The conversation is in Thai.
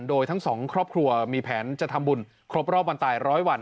โดยทั้งสองครอบครัวมีแผนจะทำบุญครบรอบวันตายร้อยวัน